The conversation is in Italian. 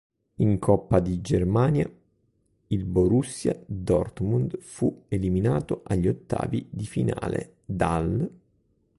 In Coppa di Germania il Borussia Dortmund fu eliminato agli ottavi di finale dall'.